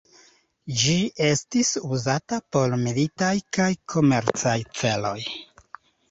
Ĝi estis uzata por militaj kaj komercaj celoj.